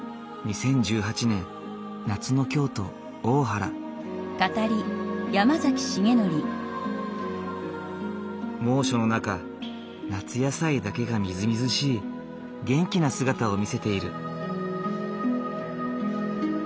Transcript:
２０１８年夏の猛暑の中夏野菜だけがみずみずしい元気な姿を見せている。